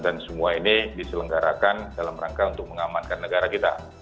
dan semua ini diselenggarakan dalam rangka untuk mengamankan negara kita